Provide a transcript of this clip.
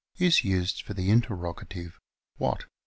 ") is used for the interrogative "what